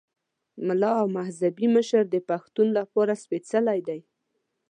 ملا او مذهبي مشر د پښتون لپاره سپېڅلی دی.